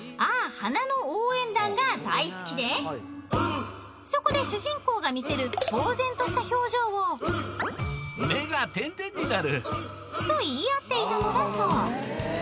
花の応援団』が大好きでそこで主人公が見せる呆然とした表情をと言い合っていたのだそう